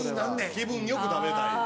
気分よく食べたい。